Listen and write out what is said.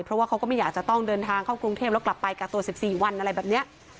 เพราะว่าเขาก็ไม่อยากจะต้องเดินทางเข้ากรุงเทพแล้วกลับไปกักตัว๑๔วันอะไรแบบนี้